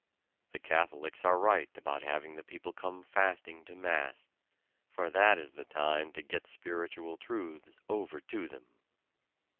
The Catholics are right about having the people come fasting to mass, for that is the time to get spiritual truths over to them!